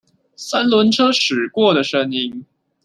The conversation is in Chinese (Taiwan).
三輪車駛過的聲音